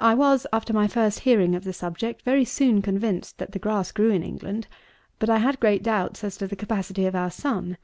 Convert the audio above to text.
I was, after my first hearing of the subject, very soon convinced that the grass grew in England; but I had great doubts as to the capacity of our sun.